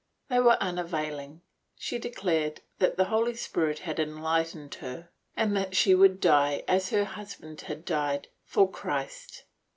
They were unavailing; she declared that the Holy Spirit had enlightened her and that she would die as her husband had died, for Christ.